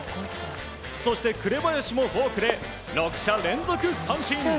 そして紅林もフォークで６者連続三振。